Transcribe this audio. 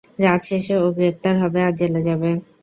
রাত শেষে, ও গ্রেফতার হবে আর জেলে যাবে।